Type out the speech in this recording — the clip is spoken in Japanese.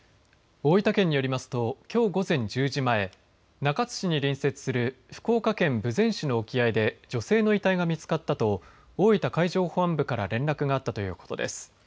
大分県によりますときょう午前１０時前、中津市に隣接する福岡県豊前市の沖合で女性の遺体が見つかったと大分海上保安部から連絡があったということです。